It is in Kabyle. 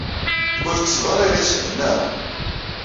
Ur tettessed ara iɣisem, naɣ?